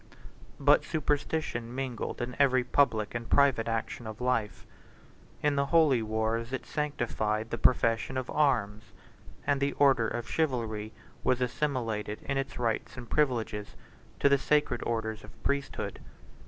But superstition mingled in every public and private action of life: in the holy wars, it sanctified the profession of arms; and the order of chivalry was assimilated in its rights and privileges to the sacred orders of priesthood.